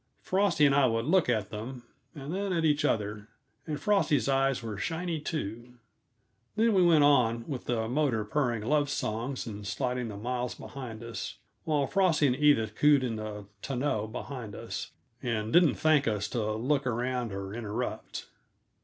Frosty and I would look at them, and then at each other; and Frosty's eyes were shiny, too. Then we went on, with the motor purring love songs and sliding the miles behind us, while Frosty and Edith cooed in the tonneau behind us, and didn't thank us to look around or interrupt.